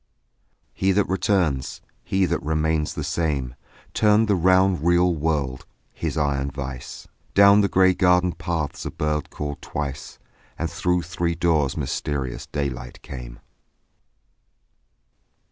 He that returns, He that remains the same, Turned the round real world, His iron vice; Down the grey garden paths a bird called twice, And through three doors mysterious daylight came.